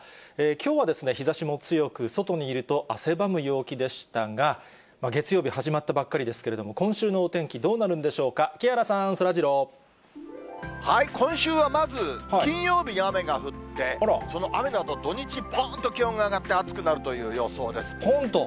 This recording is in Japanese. きょうは日ざしも強く、外にいると汗ばむ陽気でしたが、月曜日始まったばっかりですけど、今週のお天気、どうなるんでしょうか、今週はまず金曜日に雨が降って、その雨のあと、土日、ぽーんと気温が上がって、暑くなるといぽんと？